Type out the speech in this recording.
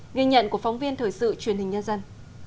ghi nhận của phóng viên thời sự truyền hình nhân dân